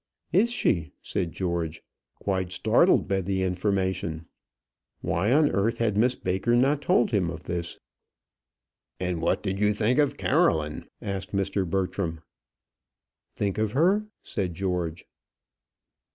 "Is she?" said George, quite startled by the information. Why on earth had Miss Baker not told him of this? "And what did you think of Caroline?" asked Mr. Bertram. "Think of her?" said George.